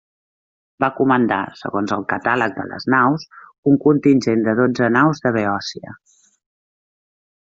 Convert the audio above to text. Va comandar, segons el catàleg de les naus, un contingent de dotze naus de Beòcia.